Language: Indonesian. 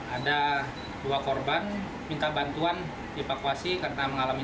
ada dua korban minta bantuan dievakuasi karena mengalami